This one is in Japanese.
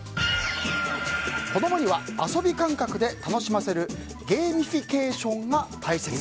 子供には遊び感覚で楽しませるゲーミフィケーションが大切。